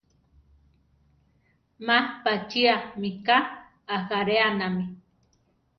Má pachía mika ajáreanami.